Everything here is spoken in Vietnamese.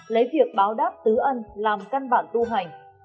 lấy việc báo đáp tứ ân làm căn bản tu hành